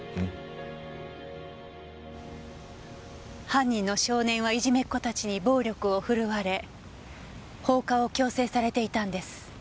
犯人の少年はいじめっ子たちに暴力を振るわれ放火を強制されていたんです。